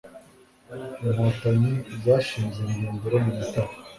Inkotanyi zashinze ibirindiro mu Mutara